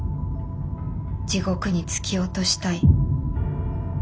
「地獄に突き落としたい」。